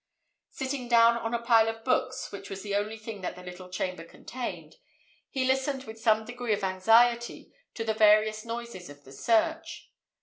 Sitting down on a pile of books, which was the only thing that the little chamber contained, he listened with some degree of anxiety to the various noises of the search.